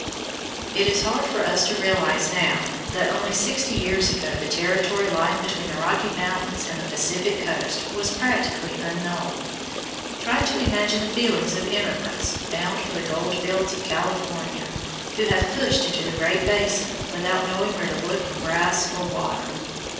It is hard for us to realize, now, that only sixty years ago the territory lying between the Rocky Mountains and the Pacific coast was practically unknown. Try to imagine the feelings of emigrants, bound for the gold fields of California, who have pushed into the Great Basin without knowing where to look for grass or water.